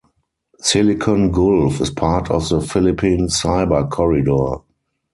Silicon Gulf is part of the Philippine Cyber Corridor.